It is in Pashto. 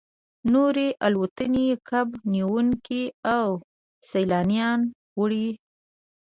نورې الوتنې کب نیونکي او سیلانیان وړي